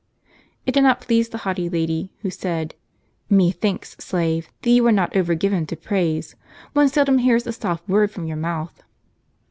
It did not please the haughty lady, who said, "Methinks, slave, that you are not over given to praise. One seldom hears a soft word from your mouth."